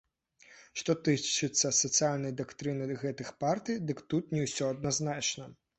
Што тычыцца сацыяльнай дактрыны гэтых партый, дык тут не ўсё адназначна.